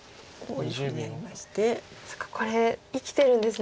そっかこれ生きてるんですね。